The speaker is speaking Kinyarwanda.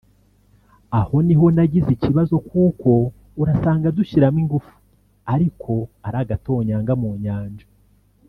Aho niho nagize ikibazo kuko urasanga dushyiramo ingufu ariko ari agatonyanga mu nyanja